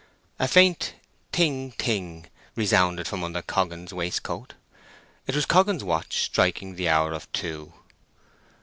A faint "ting ting" resounded from under Coggan's waistcoat. It was Coggan's watch striking the hour of two.